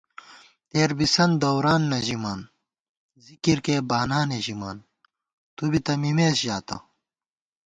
تېر بِسن دوران نہ ژِمان، ذکرکېئی بانانےژِمان، تُو بی تہ مِمېس ژاتہ